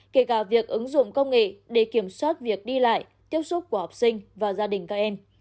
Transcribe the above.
kể cả việc ứng dụng công nghệ để kiểm soát việc đi lại tiếp xúc của học sinh và gia đình các em